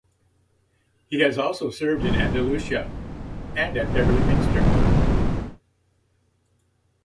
He has also served in Andalucia and at Beverley Minster.